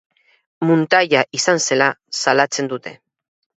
Muntaia izan zela salatzen dute.